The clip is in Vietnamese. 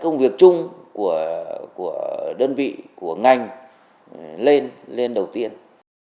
đơn vị của ngành lên đầu tiên